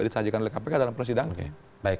disajikan oleh kpk dalam persidangan